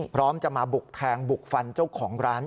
พร้อมจะมาบุกแทงบุกฟันเจ้าของร้าน